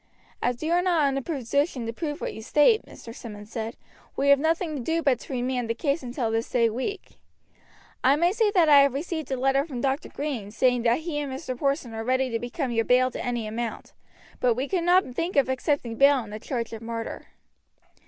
"As you are not in a position to prove what you state," Mr. Simmonds said, "we have nothing to do but to remand the case until this day week. I may say that I have received a letter from Dr. Green saying that he and Mr. Porson are ready to become your bail to any amount; but we could not think of accepting bail in a charge of murder."